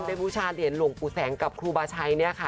บูชาเหรียญหลวงปู่แสงกับครูบาชัยเนี่ยค่ะ